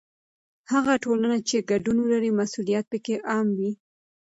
هغه ټولنه چې ګډون ولري، مسؤلیت پکې عام وي.